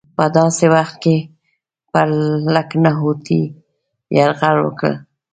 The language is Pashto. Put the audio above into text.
په داسې وخت کې پر لکهنوتي یرغل وکړ.